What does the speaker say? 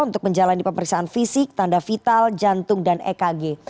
untuk menjalani pemeriksaan fisik tanda vital jantung dan ekg